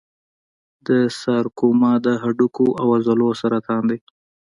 د سارکوما د هډوکو او عضلو سرطان دی.